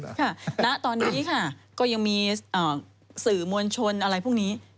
ค่ะณตอนนี้ค่ะก็ยังมีสื่อมวลชนอะไรพวกนี้